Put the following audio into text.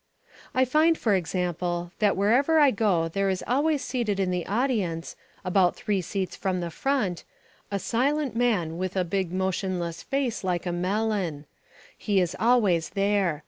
I find, for example, that wherever I go there is always seated in the audience, about three seats from the front, a silent man with a big motionless face like a melon. He is always there.